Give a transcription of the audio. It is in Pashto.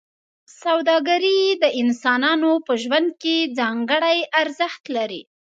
سوداګري د انسانانو په ژوند کې ځانګړی ارزښت لري.